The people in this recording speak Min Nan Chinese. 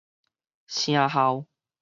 聲效